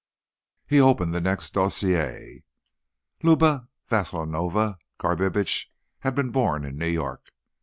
He opened the next dossier. Luba Vasilovna Garbitsch had been born in New York.